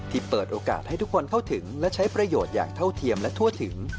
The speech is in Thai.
เปิดโอกาสให้ทุกคนเข้าถึงและใช้ประโยชน์อย่างเท่าเทียมและทั่วถึง